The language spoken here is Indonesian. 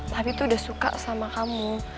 tapi tuh udah suka sama kamu